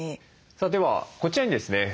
ではこちらにですね